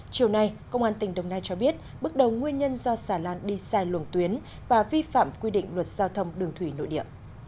chiều nay công an tỉnh đồng nai cho biết bước đầu nguyên nhân do xà lan đi sai luồng tuyến và vi phạm quy định luật giao thông đường thủy nội địa